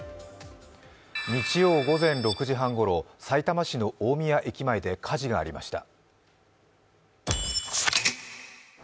日曜午前６時半ごろ、さいたま市の大宮駅前で火事がありました。